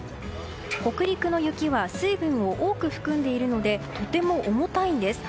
北陸の雪は水分を多く含んでいるのでとても重たいんです。